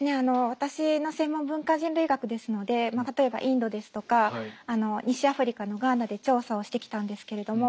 私の専門文化人類学ですので例えばインドですとか西アフリカのガーナで調査をしてきたんですけれども。